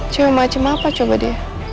cewek macem apa coba dia